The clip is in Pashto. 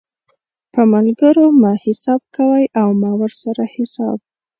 په ملګرو مه حساب کوئ او مه ورسره حساب